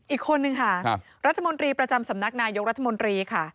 อีกคนนึงค่ะรัฐมนตรีประจำสำนักนายกรัฐมนตรีค่ะ